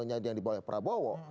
yang dibawah prabowo